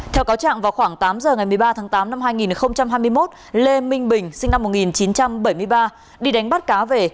theo cáo trạng vào khoảng tám giờ ngày một mươi ba tháng tám năm hai nghìn hai mươi một lê minh bình sinh năm một nghìn chín trăm bảy mươi ba đi đánh bắt cá về